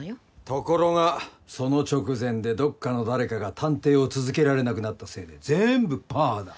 ところがその直前でどっかの誰かが探偵を続けられなくなったせいで全部パーだ。